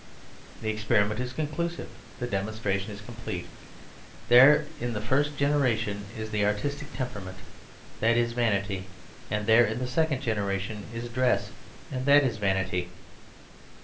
The experiment is conclusive, the demonstration is complete; there in the first generation is the artistic temperament that is vanity; and there in the second generation is dress and that is vanity."